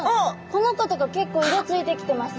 この子とか結構色ついてきてます